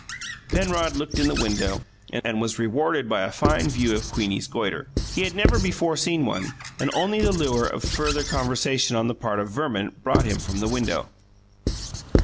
Penrod looked in the window and was rewarded by a fine view of Queenie's goitre. He had never before seen one, and only the lure of further conversation on the part of Verman brought him from the window.